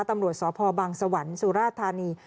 ตำรวจสภาพบางสวรรค์สุรราษฎาณี